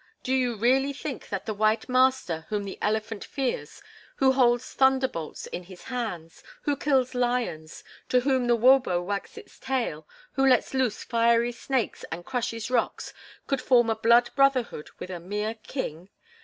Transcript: Do you really think that the white master, whom the elephant fears, who holds thunderbolts in his hands, who kills lions, to whom the 'wobo' wags its tail, who lets loose fiery snakes and crushes rocks, could form a blood brotherhood with a mere king?